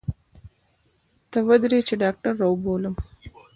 ته ودرې چې ډاکتر راوبولم.